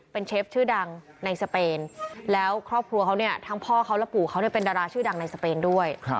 เป็นเชฟชื่อดังในสเปนแล้วครอบครัวเขาเนี่ยทั้งพ่อเขาและปู่เขาเป็นดาราชื่อดังในสเปนด้วย